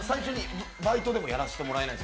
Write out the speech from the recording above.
バイトでもやらせてもらえないで